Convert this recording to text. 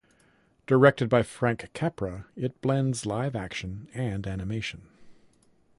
Directed by Frank Capra, it blends live action and animation.